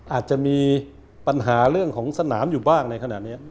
อาจจะมีปัญหาเรื่องของสนามอยู่บ้างในขณะนี้